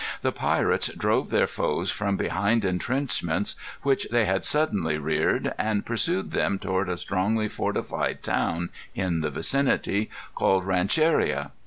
The pirates drove their foes from behind intrenchments which they had suddenly reared, and pursued them toward a strongly fortified town in the vicinity, called Rancheria.